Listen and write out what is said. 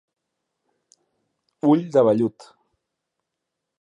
Ull de vellut.